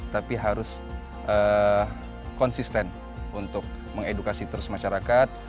tapi harus konsisten untuk mengedukasi terus masyarakat